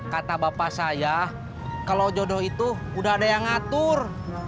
kata bapak saya kalau jodoh itu udah ada yang ngatur